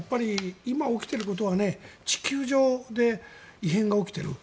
今、起きていることは地球上で異変が起きている。